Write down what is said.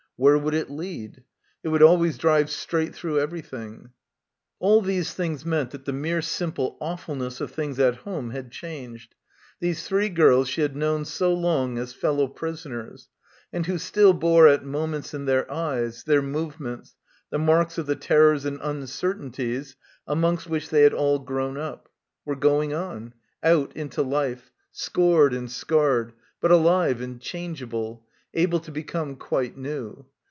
Where would it lead? It would always drive straight through everything. All these things meant that the mere simple awfulness of things at home had changed. These three girls she had known so long as fellow — 213 — PILGRIMAGE prisoners, and who still bore at moments in their eyes, their movements, the marks of the terrors and uncertainties amongst which they had all grown up, were going on, out into life, scored and scarred, but alive and changeable, able to become quite new.